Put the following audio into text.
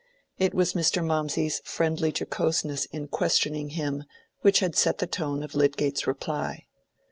It was Mr. Mawmsey's friendly jocoseness in questioning him which had set the tone of Lydgate's reply.